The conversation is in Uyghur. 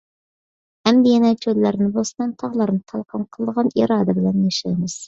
ئەمدى يەنە چۆللەرنى بوستان، تاغلارنى تالقان قىلىدىغان ئىرادە بىلەن ياشايمىز.